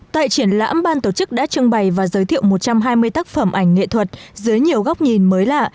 tại triển lãm ban tổ chức đã trưng bày và giới thiệu một trăm hai mươi tác phẩm ảnh nghệ thuật dưới nhiều góc nhìn mới lạ